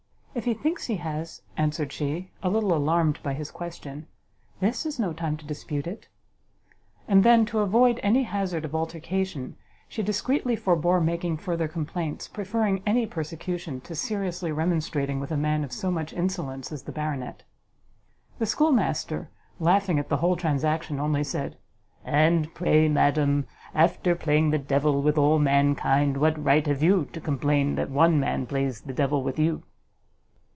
"If he thinks he has," answered she, a little alarmed by his question, "this is no time to dispute it." And then, to avoid any hazard of altercation, she discreetly forbore making further complaints, preferring any persecution to seriously remonstrating with a man of so much insolence as the Baronet. The schoolmaster, laughing at the whole transaction, only said, "And pray, madam, after playing the devil with all mankind, what right have you to complain that one man plays the devil with you?"